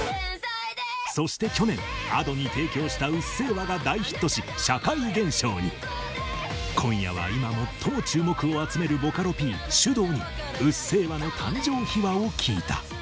そして去年Ａｄｏに提供した「うっせぇわ」が大ヒットし今夜は今最も注目を集めるボカロＰｓｙｕｄｏｕに「うっせぇわ」の誕生秘話を聞いた。